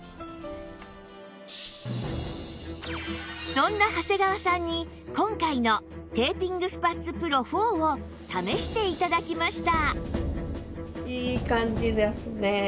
そんな長谷川さんに今回のテーピングスパッツ ＰＲＯⅣ を試して頂きました